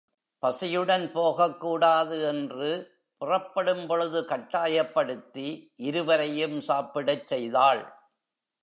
பசியுடன் போகக்கூடாது என்று புறப்படும்பொழுது கட்டாயப்படுத்தி இருவரையும் சாப்பிடச் செய்தாள்.